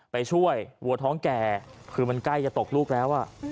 ไปช่วยวัวท้องแก่คือมันใกล้จะตกลูกแล้ว